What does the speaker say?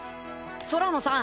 宙野さん